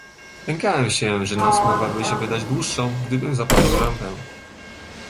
"Lękałem się, że noc mogłaby mi się wydać dłuższą, gdybym zapalił lampę."